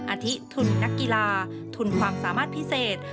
อาทิทุนนักกีฬาทุนความสามารถพิเศษ